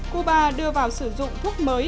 cuba đưa vào sử dụng thuốc mới